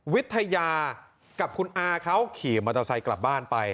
วิทยากับคุณอาเขาขี่มอเตอร์ไซค์กลับบ้านไป